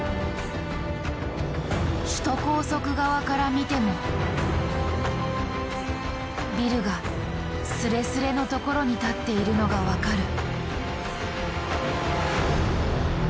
首都高速側から見てもビルがスレスレの所に立っているのが分かる。